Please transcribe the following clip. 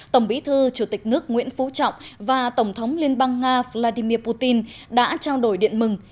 tổng bí thư chủ tịch nước nguyễn phú trọng và tổng thống liên bang nga vladimir putin đã trao đổi điện mừng